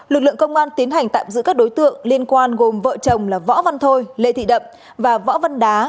lực lượng công an tiến hành tạm giữ các đối tượng liên quan gồm vợ chồng là võ văn thôi lê thị đậm và võ văn đá